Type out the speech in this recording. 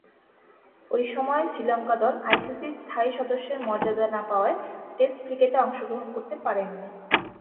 ঐ সময়ে শ্রীলঙ্কা দল আইসিসির স্থায়ী সদস্যের মর্যাদা না পাওয়ায় টেস্ট ক্রিকেটে অংশগ্রহণ করতে পারেননি।